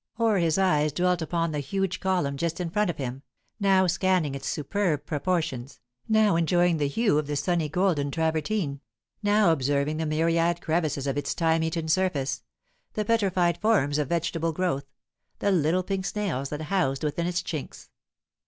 Or his eyes dwelt upon the huge column just in front of him now scanning its superb proportions, now enjoying the hue of the sunny golden travertine, now observing the myriad crevices of its time eaten surface, the petrified forms of vegetable growth, the little pink snails that housed within its chinks.